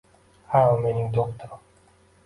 Ha u mening doktorim